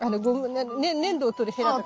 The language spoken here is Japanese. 粘土を取るヘラとか。